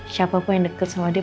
siapapun yang deket sama dia